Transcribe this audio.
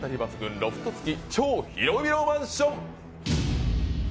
ロフト付き超広々マンション。